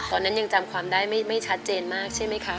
ตอนนั้นยังจำความได้ไม่ชัดเจนมากใช่ไหมคะ